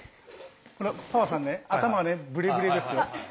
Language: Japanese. パパさんね頭がブレブレですよ！